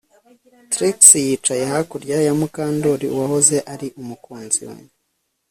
Trix yicaye hakurya ya Mukandoli uwahoze ari umukunzi we